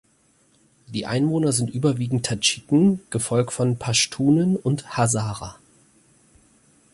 Die Einwohner sind überwiegend Tadschiken, gefolgt von Paschtunen und Hazara.